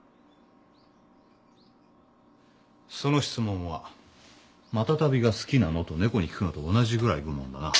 その質問は「マタタビが好きなの？」と猫に聞くのと同じぐらい愚問だな。